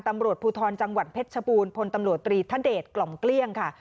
ตำรวจภูทรจังหวัดเพชรชบูรณพลตำรวจตรีทเดชกล่อมเกลี้ยงค่ะ